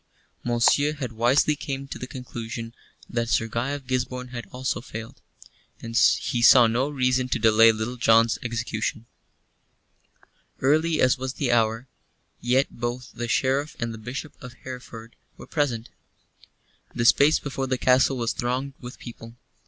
Monceux had wisely come to the conclusion that Sir Guy of Gisborne had also failed, and he saw no reason to delay Little John's execution. Early as was the hour, yet both the Sheriff and the Bishop of Hereford were present. The space before the castle was thronged with people.